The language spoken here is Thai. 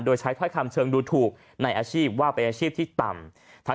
โดยใช้ถ้อยคำเชิงดูถูกในอาชีพว่าเป็นอาชีพที่ต่ำ